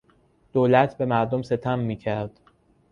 دولت به مردم ستم میکرد.